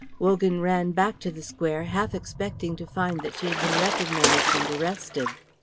Wogan ran back to the square, half expecting to find that she had been recognised and arrested.